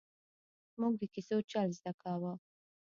ـ مونږ د کیسو چل زده کاوه!